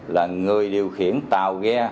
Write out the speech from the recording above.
là người điều khiển tàu ghe